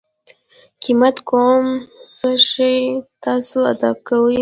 قیمت کوم څه چې تاسو ادا کوئ